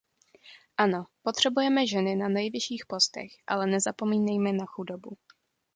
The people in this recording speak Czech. Ano, potřebujeme ženy na nejvyšších postech, ale nezapomínejme na chudobu.